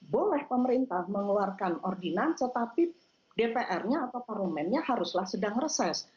boleh pemerintah mengeluarkan ordinance tetapi dpr nya atau parlemennya haruslah sedang reses